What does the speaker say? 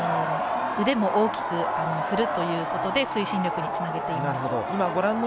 腕も大きく振るということで推進力につなげています。